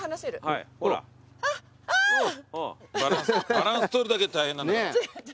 バランス取るだけで大変なんだから。